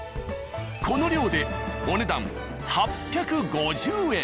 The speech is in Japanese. この量でお値段８５０円。